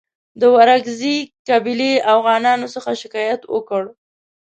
د ورکزي قبیلې اوغانیانو څخه شکایت وکړ.